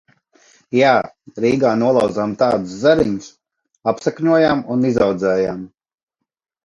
Jā, Rīgā nolauzām tādus zariņus, apsakņojām un izaudzējām.